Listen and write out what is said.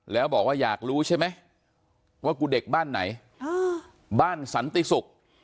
แล้วบอกว่าอยากรู้ใช่ไหมว่ากูเด็กบ้านไหนบ้านสันติศุกร์